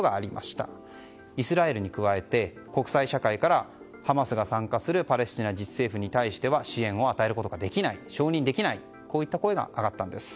イスラエルに加えて国際社会からハマスが参加するパレスチナ自治政府に対して支援を与えることができない承認できないといった声が上がったんです。